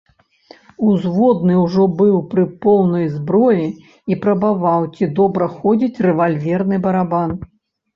Узводны ўжо быў пры поўнай зброі і прабаваў, ці добра ходзіць рэвальверны барабан.